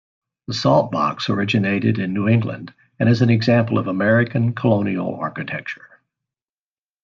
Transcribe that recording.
The saltbox originated in New England, and is an example of American colonial architecture.